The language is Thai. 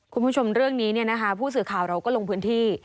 คุณผู้ชมเรื่องนี้ผู้สื่อข่าวเราก็ลงพื้นที่